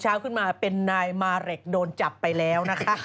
ขึ้นมาเป็นนายมาเร็กโดนจับไปแล้วนะคะ